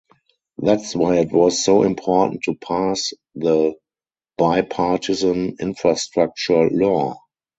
That’s why it was so important to pass the Bipartisan Infrastructure Law